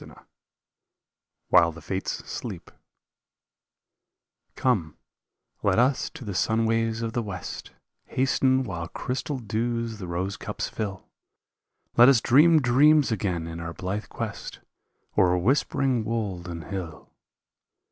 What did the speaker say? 152 WHILE THE FATES SLEEP Come, let us to the sunways of the west, Hasten, while crystal dews the rose cups fill. Let us dream dreams again in our blithe quest O'er whispering wold and hill.